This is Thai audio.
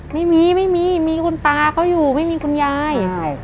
ไม่มีมีคุณตาเขาอยู่ไม่มีคุณยาย